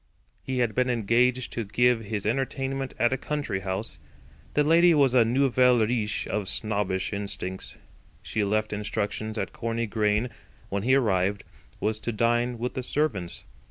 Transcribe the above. He had been engaged to give his entertainment at a country house. The lady was a nouvelle riche of snobbish instincts. She left instructions that Corney Grain when he arrived was to dine with the servants.